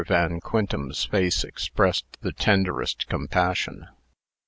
Van Quintem's face expressed the tenderest compassion.